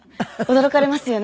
驚かれますよね。